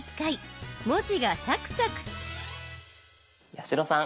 八代さん